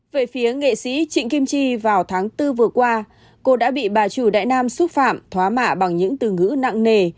về phía nghệ sĩ trịnh kim chi vào tháng bốn vừa qua cô đã bị bà chủ đại nam xúc phạm thỏa mã bằng những từ ngữ nặng nề